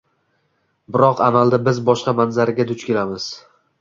Biroq amalda biz boshqa manzaraga duch kelamiz.